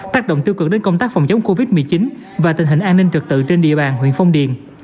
tác động tiêu cực đến công tác phòng chống covid một mươi chín và tình hình an ninh trực tự trên địa bàn huyện phong điền